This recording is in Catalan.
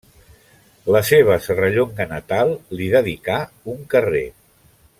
La seva Serrallonga natal li dedicà un carrer.